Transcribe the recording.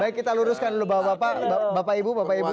baik kita luruskan dulu bapak ibu